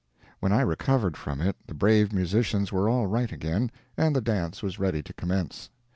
When I recovered from it the brave musicians were all right again, and the dance was ready to commence.